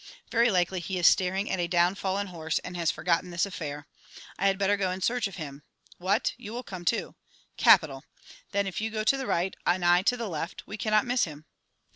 Very likely he is staring at a downfallen horse and has forgotten this affair. I had better go in search of him. What? you will come, too. Capital! Then if you go to the right, and I to the left, we cannot miss him!